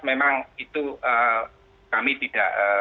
memang itu kami tidak